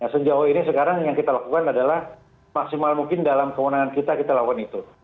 sejauh ini sekarang yang kita lakukan adalah maksimal mungkin dalam kewenangan kita kita lakukan itu